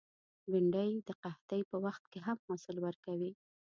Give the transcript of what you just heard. بېنډۍ د قحطۍ په وخت کې هم حاصل ورکوي